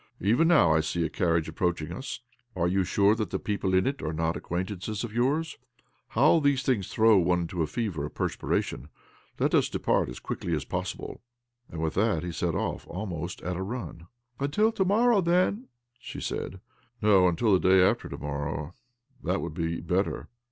Even now I see a carriage approaching us. Are you sure that the people in it aje not acquaint ances of yours? How these things throw one into a fever of perspiration ! Let us depart as quickly as possible." And with that he set off, almost at a run. " Until to morrow, then," she said. " No, until the day after to morrow. That would be better.